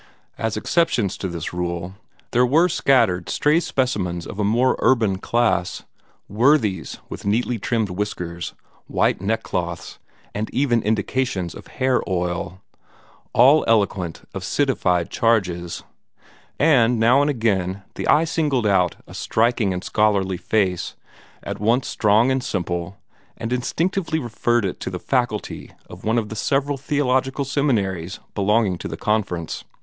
As exceptions to this rule, there were scattered stray specimens of a more urban class, worthies with neatly trimmed whiskers, white neckcloths, and even indications of hair oil all eloquent of citified charges; and now and again the eye singled out a striking and scholarly face, at once strong and simple, and instinctively referred it to the faculty of one of the several theological seminaries belonging to the Conference.